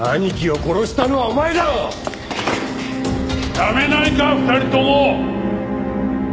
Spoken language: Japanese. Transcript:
やめないか２人とも！